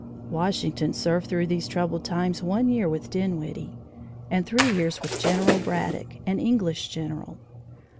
Washington served through these troubled times one year with Dinwiddie and three years with General Braddock, an English general.